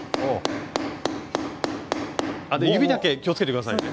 指だけ気をつけてくださいね。